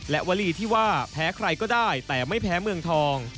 และวลีที่ว่าแพ้ใครก็ได้แต่ไม่แพ้เมืองทอง